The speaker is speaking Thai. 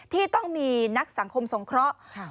ที่ต้องมีนักสังคมสงเคราะห์